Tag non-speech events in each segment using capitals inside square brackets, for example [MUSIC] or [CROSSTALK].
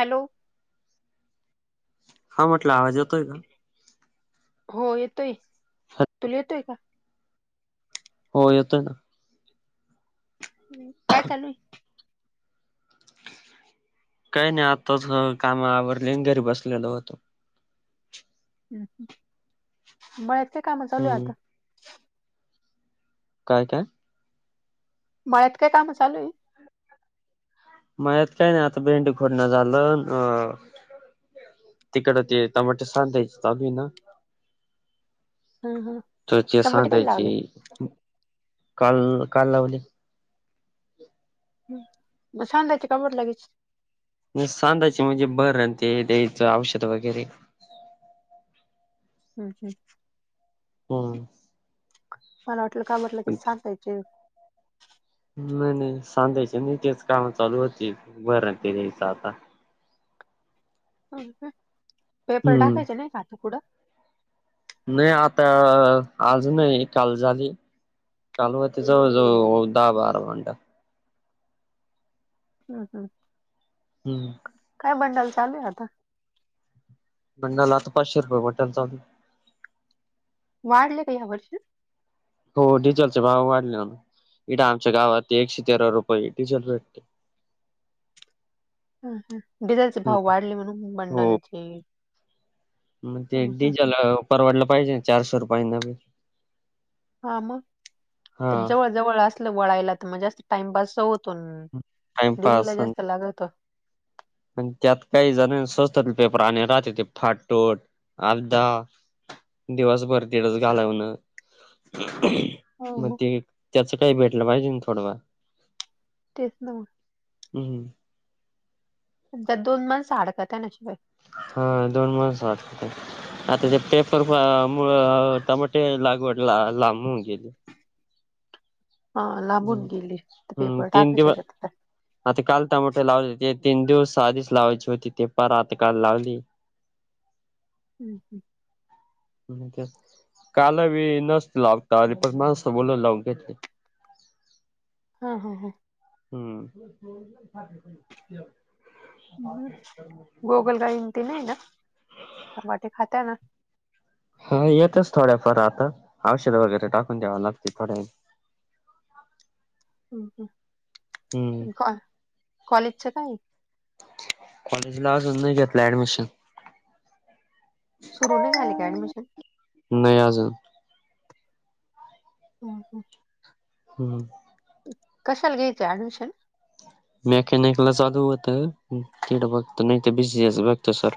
Hello हा म्हटलं आवाज येतोय का हो येतोय तुला येतोय का हो येतोय ना ह् काय चालूय काही नाही आताच कामा आवरली घरी बसलेल होतो हम् बळ्यातचे काम चालू आहे हम्म आता काय काय मळ्यात काय काम चालू आहे माझत काय नाही आता बेंड खोडणं झालं अ तिकड ते तमाट सांधायचभि ना हं, हं. तरची टमाटे कधी सांगायची लागले काल काल लावली ह म छांतायची काबड लागेच सांधाचे म्हणजे बर ते द्याचं औषध वगैरे हम् हम् हम मला वाटलं का म्हटलं की छान पाहिजे नाही नाही सांध्याचे न तेेच काम चालू होती बरं ते नयच आता पेपर हम्म. टाकायच नाही का आता पुुडं नाही आता आज नाही काल झाली चालूव ति ज जव दहा बारा म्हंटं हम् हम हम्म काय बंडाल चालू आहे आता मंडाला आता पाचशे रुपये मटलचाधी वाढले का ह्या वर्षी हो डिझेलचे भाव वाढले हो इडे आमच्या गावात ते एकशे तेरा रुपये डिझे रेट हम हम डिझेलचे भाव वाढले म्हणून हो बंडालचे मग ते डिझेल परवडलं पाहिजे चारशे रुपयांना हा हा मग जवळ जवळ असलं वळायला तर मगजत टाइमपास होतो डिझेल टाइमपास ला जास्त लागलत आणि त्यात काही जण स्वचतात पेपर आणि राहते ते फाट टोट अधा दिवसभर दिडस घालवण मग ते त्याच काही भेटलं पाहिजे ना थोडं व तेच द हम् हम स्या दोन माणसडकत आहे ना शिवाय हा दोन माण वाटते आता ते पेपर मुळ टमाटे लागवड ला लांब होून गेले ह लांबून हम्म गेली तर हम्म पेपर तीन टाकायच्या दिवस त्यातला आता काल टमाटे लावले ते तीन दिवस आधीच लावायची होती ते पार आता काल लावली हम् हम् काल ब नसते लावता अरे पण माणसं बोोल लावून घेतली हा हा हा हम्म गोगल गाईन ते नाही नाट खात्या ना हा येतच थोड्याफार आता औषध वगैरे टाकून द्याव लागते थोड्या हम्म ह् कॉलेजच काय कॉलेजलाजन नाही घेतला अडमिशन सुरु नाही झाले का ऍडमिशन नाही अजून हम् हम हम्म कशाला घ्यायचं ऍडमिशन मेकॅनिकला चालू होत तडं बघत नाही ते बिझी बघत सर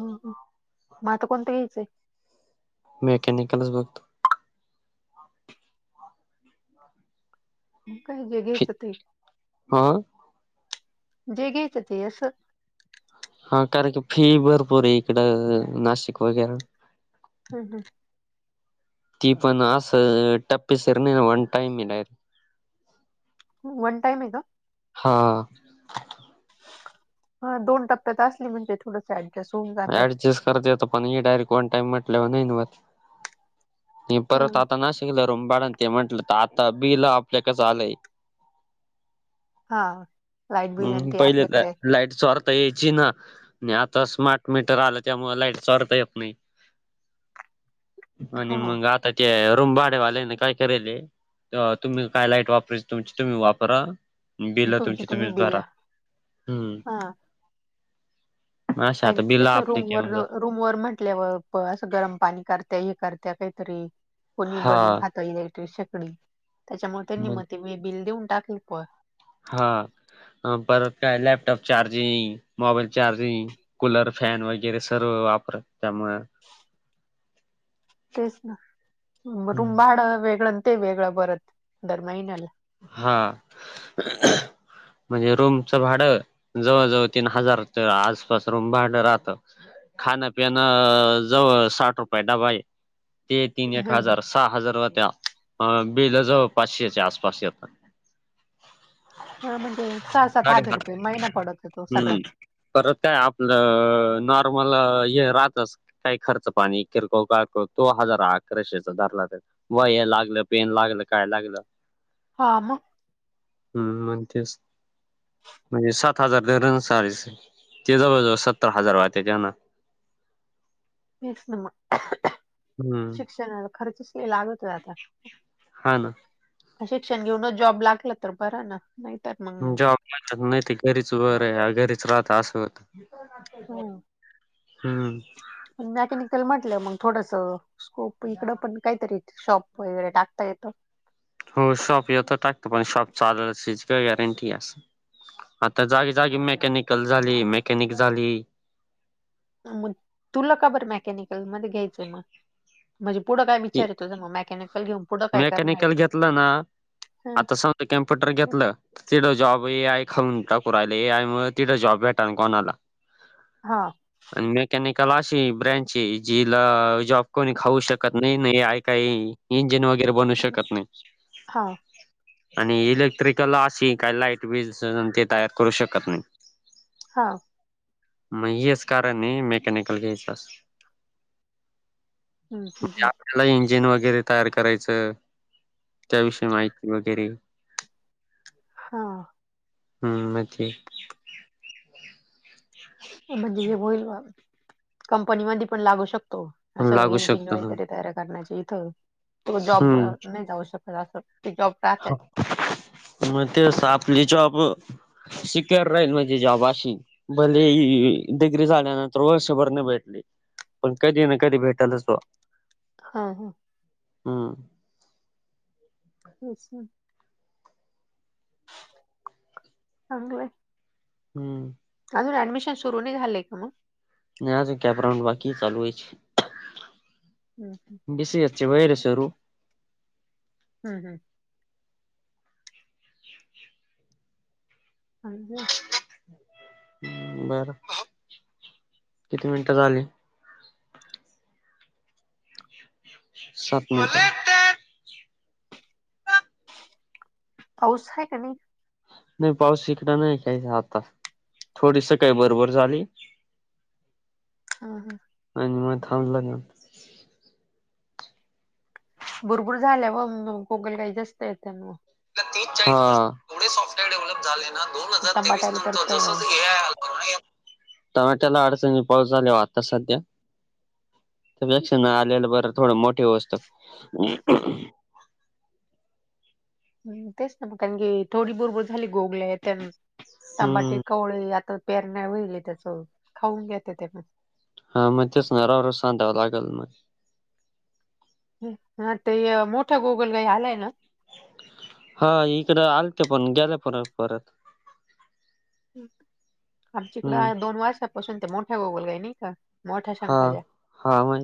हम् मग आता कोणतं यायचंय मेकनिकलस वक्त मग काय फी जगायचं ते हा जे घयेत तेस हा कारण की फी भरपूर आहे इकडं नाशिक वगैरे हम हम दीपण आस टपसरन वन टाइम इलाय वन टईम आहे हा हा दोन टप्प्यात असली म्हणजे थोड सस ऍडजस्ट करतेेतो पण डायरेक्ट वन टाइम म्हटल्यावर नाही वात हे परत आता ना शिकल रुमबाड ते म्हंटलं तर आता बिल आपल्याकच आलंय हा लाईट बिल आणि हम्म, ते पहिले तर आपल्याकडे लाईटचाँर त यायची ना आणि आता स्मार्ट मीटर आलं, त्यामुळं लाईटचाँर येत नाही. आणि हा मग आता ते रूम भाडे्यावाले ने काय करेले अ तुम्ही काय लाईट वापरायची तुमची तुम्ही वापरा, बिल तुमची- तुम्ही तुम्हीच बिल भरा. हम्म. अशा आता पाहिजे बिल तसं आपले रूम वर घेऊन जात रूम वर म्हंटल्यावर प असं गरम पाणी करत्या हे करत्या काहीतरी. कोणी हा बनवून खात इलेक्ट्रिक शेगडी त्याच्यामुळे त्यांनी म्हणजे मती बिल देऊन टाकली. प हा, परत काय laptop charging, mobile charging cooler fan वगैरे सर्व वापरत. त्यामुळं तेच ना रूम हम्म म भाडा वेगळं आन ते वेगळं बरत दर महिन्याला. हा. म्हणजे रूमचं भाडं जवळजवळ तीन हजारच्या आसपास रूम भाडं राहतं. खाणंपिणं जवळ साठ रुपये डबा आहे. ते तीन एक हा हजार सहा हजार व त्या हा बेला जवळ पाचशेच्या आसपास येत. [INAUDIBLE] हा म्हणजे सहा सात साडे हजार रुपये महिना पडत होेतो हम्म सगळंच. परत काय आपलं नॉर्मल हे राहतच. काही खर्च पाणी किरकोळ काय कर तो हजार अकराशेचा धरला तर वह्या लागलं, पेन लागलं, काय लागलं. हा मग. हं. म्हण तेच म्हणजे सात सात हजार [UNINTELLIGIBLE] ते जवळ जवळ सत्तर हजार वाहते त्याना. तेच ना म हम्म शिक्षणाला खर्चच ते लागत नाय आता हा ना शिक्षण घेऊनच जॉब लागला तर बरं ना. नाहीतर मग जॉबला जात नाही ती घरीच वर घरीच राहत असं होतं. हम्म मॅकॅनिकल म्हटलं मग थोडसं स्कोप इकडं पण काहीतरी शॉप वगैरे टाकता येतं. हो सब इ यतो टाकते प सब चचालच का गॅरंटी अस. आता जागी जागी मेकॅनिकल झाली. मेकॅनिक झाली. हा मग तुला का बर मेकॅनिकलमध्ये घ्यायचंय मग? म्हणजे पुढं काय विचार आहे तुझा मेकॅनिकल घेऊन? पुढं काय करणार आहे मेकॅनिकल घेतलं ना हं, आता समजा कम्प्युटर घेतलं तिकडं जॉब ए आय खाऊन टाकू राहिल. ए आय मूळ तिलां जॉब भेटना कोणाला? हा. आणि मेकॅनिकल अशी ब्रँच आहे, जिला जॉब कोणी खाऊ शकत नाही, नाही आहे काही इंजिन वगेर बनु शकत नाही. हा. आणि इलेक्ट्रिकल अशी काही लाईट बिल ते तयार करू शकत नाही‌त. हा. मग हेच कारण आहे मेकॅनिकल घ्यायचं. हम्म हम्म म्हणजे हम्म. आपल्याला इंजिन वगैरे तयार करायचं त्याविषयी माहिती वगैरे. हा. हम्म मग ते म्हणजे हे होईल मग कंपनीमधी पण लागू शकतो. असं लागू इंजिनिर शकत ह वगैरे तयार करण्याची इथं. तो जॉब नाही जाऊ शकत. अस ते जॉब. राहतात हा म ते सापली चॉप [UNINTELLIGIBLE] राहील म्हणजे जॉब [UNINTELLIGIBLE] भले डग्री झाल्यानंतर वर्षभरने भेटली. पण कधी ना कधी भेटायलाचव. हा हा. हम. अच्ा. चांगलंय. हम्म. अजून ऍडमिशन सुरू नाही झालंय का मग नाही आज कॅप राऊंड बाकी लू आहेचे. हम् हम्. सीचे वैरसर हम् हम्. हजे. बर किती मिनिटं झाली. सात मता पाऊस आहे का नाही. नाही पाऊस शिकड नाही का्यायच आता थोडी स काही बरोबर झाली. [UNINTELLIGIBLE] हम ह. आणि मग थांबलं जा. भुरबुर झाल्या व गकल काही जास्त आहे त्यां. े सॉफ्टवेअर डेव्हलप झाले ना दोन हजार तेवीस टमाट्याला नंतर परत जस हम्म, ए आय. टमॅट्याला अडचणी पाऊस झालेवर आता सध्या त्यापेक्ष ना आलेलं बरं थोडं मोठी वस्त तेच ना म कारण की थोडी बरबर झाली गोगले त्या तंबाटे हम्म कवळे आता पेरण्या होईल त्याच खाऊन घेते त्या हा मग तेच नरावर सांधावं लागेल मग हा ते मोठा गोगल काही आलाय ना. हा इकड आले ते पण गेले परत परत हम्म आमच्याकडं दोन वर्षापासून ते मोठ्या गोगुोलग आहे नाही का मोठ्या हा शंकाज्या हा मा.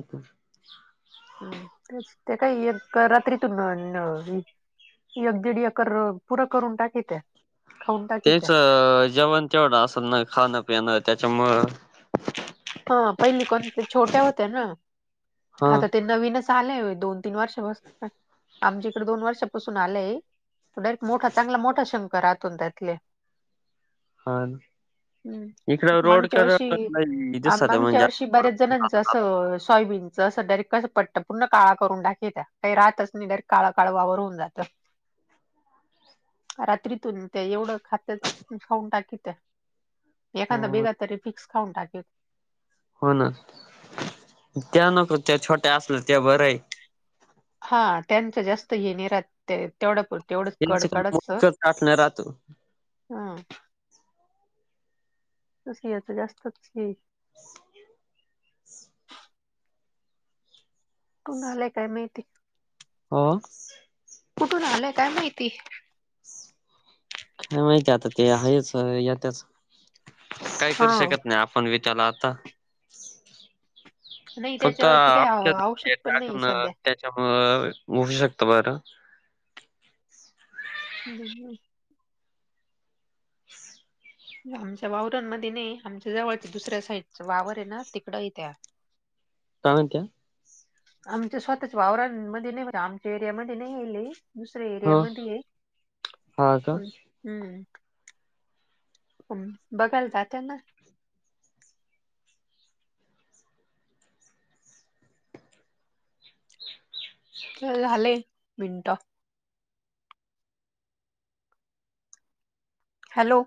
हम ते काय एक रात्रीतून एक दीड एकर पुरां करून टाकीित. तेच जेवण तेवढं असेल ना खाणं पिणं त्याच्यामुळं. हा पहिली कोण छोट्या होत्या ना हा आता त्यां नवीनच आलंय दोन तीन वर्षापासून आमच्या इकडे दोन वर्षापासून आलंय. डायरेक्ट मोठा चांगला मोठा शंका राहतून त्यातले. हा हम्म इकड आता रोड माणूच्या कर वर्षी दिसत आमांगच्या म्हणजे वर्षी बऱ्याच जणांचं असं. सॉयबीनचं असं डारेक्ट कसं पटतं पूर् काळा करून टाे त्या काही रातच नाही डारेक्ट काळा काळ वावर होन जातं. ह. रात्रीतून ते एवढं खातच खाऊन टाकी त्या एखादा हो बेगा तरी फिक्स खाऊन टाके. हो ना त्या नको त्या छोट्या असल्या ते बरं आहे. हा त्यांचं जास्त हेि नि राहात तेवढं. तेवढंच त्यांच कडकडच टाकण राहतो हम्. तस येत जास्त कोुणा आलाय काय माहिती? हा. कुठून आलंय काय माहिती? काय माहिती आता ते आहेच या त्याच काय करू हा शकत नाही आप पण वित्याला आता. नाही फक्त त्याच्यावरती काही आच्या औ औषध पण नाही टाकण सध्या. त्याच्यामु होऊ शकतं बरं [UNINTELLIGIBLE] [UNINTELLIGIBLE] आमच्या वावरांमध्ये नाही आमच्या जवळच दुसऱ्या साईडच वावर आहे ना तिकड हाय त्या. काय म्हनत्या. आमच्या स्वतःच वावराामध्ये नाही आमच्या एरियामध्ये नाही आहे लई. दुसऱ्या एरिया हं. मध्ये आहे हा का? हम्म बघायला जाता ना. चल झाले मिनटं. हॅलो